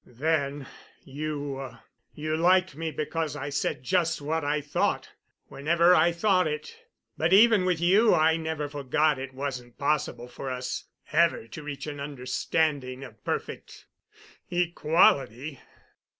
"Then you—you liked me because I said just what I thought whenever I thought it, but even with you I never forgot it wasn't possible for us ever to reach an understanding of perfect equality.